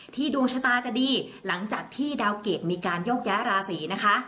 ดวงชะตาจะดีหลังจากที่ดาวเกรดมีการโยกย้ายราศีนะคะ